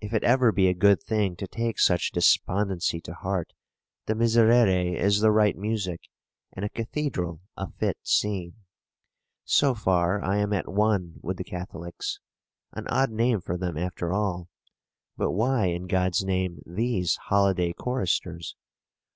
If it ever be a good thing to take such despondency to heart, the Miserere is the right music, and a cathedral a fit scene. So far I am at one with the Catholics:—an odd name for them, after all? But why, in God's name, these holiday choristers?